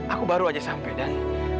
aku baru aja sampai dan